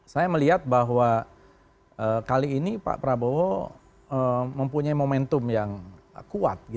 saya melihat bahwa kali ini pak prabowo mempunyai momentum yang kuat